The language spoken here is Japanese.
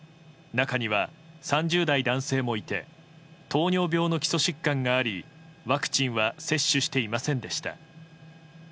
中には３０代男性もいて糖尿病の基礎疾患がありワクチンは接種していませんでした。